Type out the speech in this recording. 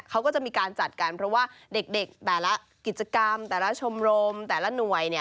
เขาก็จะมีการจัดกันเพราะว่าเด็กแต่ละกิจกรรมแต่ละชมรมแต่ละหน่วยเนี่ย